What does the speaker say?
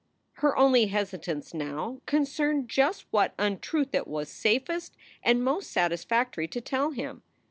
Her only hesitance now concerned just what untruth it was safest and most satisfactory to tell him.